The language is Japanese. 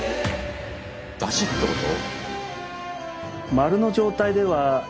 だしってこと？